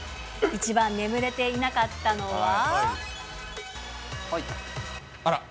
一番眠れていなかったのは。